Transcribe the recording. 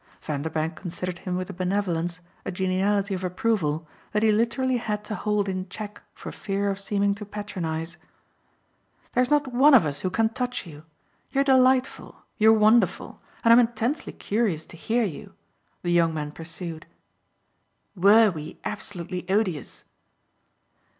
Vanderbank considered him with a benevolence, a geniality of approval, that he literally had to hold in check for fear of seeming to patronise. "There's not one of us who can touch you. You're delightful, you're wonderful, and I'm intensely curious to hear you," the young man pursued. "Were we absolutely odious?"